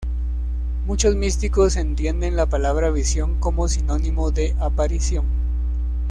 Muchos místicos entienden la palabra visión como sinónimo de aparición.